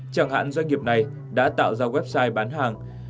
chẳng hạn doanh nghiệp này đã tạo ra website bán hàng